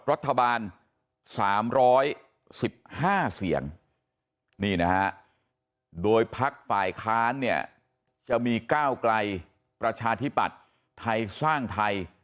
รัฐบาล๓๑๕เสียงนี่นะฮะโดยพักฝ่ายค้านเนี่ยจะมีก้าวไกลประชาธิปัตย์ไทยสร้างไทย